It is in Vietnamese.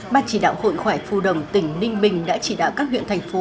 mặt chỉ đạo hội khỏe phụ đồng tỉnh ninh bình đã chỉ đạo các huyện thành công